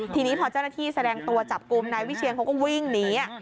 ทีนี้พอเจ้าหน้าที่แสดงตัวจับกลุ่มนายวิเชียนเขาก็วิ่งหนี